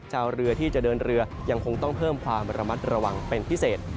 ชาวเรือที่จะเดินเรือยังคงต้องเพิ่มความระมัดระวังเป็นพิเศษ